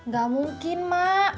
gak mungkin mak